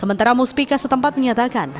sementara muspika setempat menyatakan